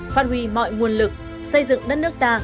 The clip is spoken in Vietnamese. phát huy mọi nguồn lực xây dựng đất nước ta